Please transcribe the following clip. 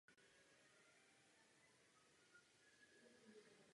Také je zde několik letišť pro osobní dopravu.